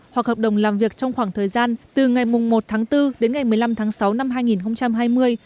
hoặc hợp đồng làm việc trong khoảng thời gian từ ngày một tháng bốn đến ngày một mươi năm tháng sáu năm hai nghìn hai mươi